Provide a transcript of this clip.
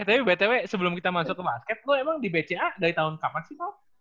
eh tapi betewe sebelum kita masuk ke basket lu emang di bca dari tahun kapan sih kal